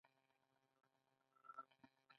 کله چې افغانستان کې ولسواکي وي فکرونه روښانه کیږي.